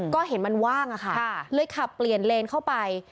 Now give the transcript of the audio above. ก็เห็นมันว่างอะค่ะเลยขับเปลี่ยนเลนเข้าไป